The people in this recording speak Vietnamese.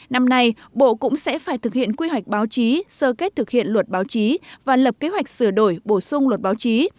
năm nay bộ cũng sẽ phải thực hiện quy hoạch báo chí sơ kết thực hiện luật báo chí và lập kế hoạch sửa đổi bổ sung luật báo chí